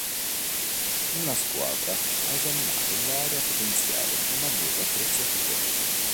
Una squadra ha esaminato l'area potenziale con maggiori attrezzature.